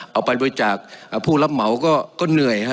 เอาไปโดยจากเอ่อผู้รับเหมาก็ก็เหนื่อยฮะ